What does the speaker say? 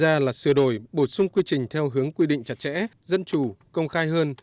ra là sửa đổi bổ sung quy trình theo hướng quy định chặt chẽ dân chủ công khai hơn